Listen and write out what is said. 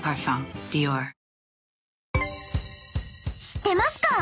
［知ってますか？